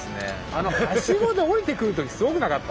あのはしごで下りてくる時すごくなかった？